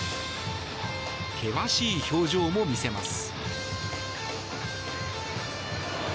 険しい表情も見せます。